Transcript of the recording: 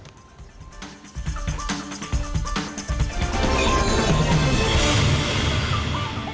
pada saat yang akan datang